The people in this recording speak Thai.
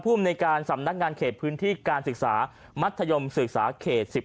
ภูมิในการสำนักงานเขตพื้นที่การศึกษามัธยมศึกษาเขต๑๑